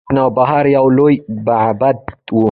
نوبهار یو لوی معبد و